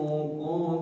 apa yang kita lakukan